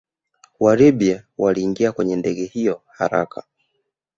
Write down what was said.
WaLibya waliingia kwenye ndege hiyo haraka